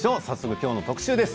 きょうの特集です。